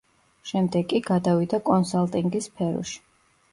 შემდეგ კი გადავიდა კონსალტინგის სფეროში.